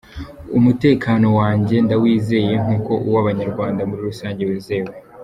Umutekano wanjye ndawizeye nk’uko uw’Abanyarwanda muri rusange wizewe.